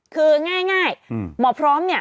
คือง่ายหมอพร้อมเนี่ย